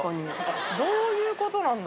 どういうことなんだ？